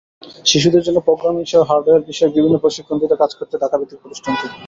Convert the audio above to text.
শিশুদের জন্য প্রোগ্রামিংসহ, হার্ডওয়্যার বিষয়ক বিভিন্ন প্রশিক্ষণ দিতে কাজ করছে ঢাকাভিত্তিক প্রতিষ্ঠানটি।